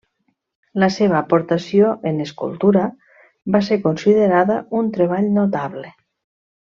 La seva aportació, en escultura, va ser considerada un treball notable.